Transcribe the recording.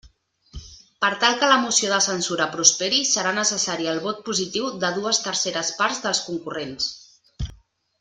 Per tal que la moció de censura prosperi, serà necessari el vot positiu de dues terceres parts dels concurrents.